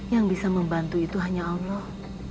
yang bisa membantu itu hanya allah